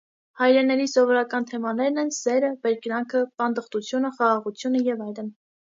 Հայրենների սովորական թեմաներն են սերը, բերկրանքը, պանդխտությունը, խաղաղությունը և այլն։